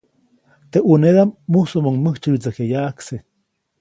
Teʼ ʼunedaʼm mujsuʼmuŋ mäjtsyäwyätsäjkya yaʼajkse.